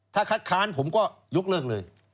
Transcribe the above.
ถ้าคัดค้านผมก็ยกเลิกเลย